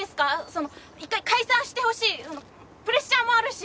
その一回解散してほしいプレッシャーもあるし。